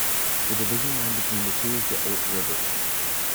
The division line between the two is the Olt River.